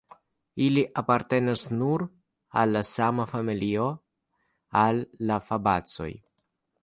Ili apartenas nur al la sama familio, al la fabacoj.